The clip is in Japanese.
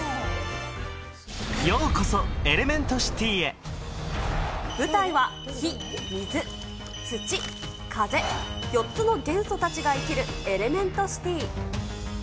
ようこそ、舞台は火、水、土、風、４つの元素たちが生きるエレメント・シティ。